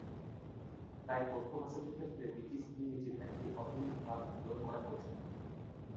তাই কথ্য ভাষাটির ক্ষেত্রে ব্রিটিশ ইংরেজির একটি অভিন্ন ধারণা গ্রহণ করা কঠিন।